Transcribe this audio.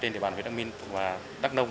trên địa bàn huyện đắc minh và đắc nông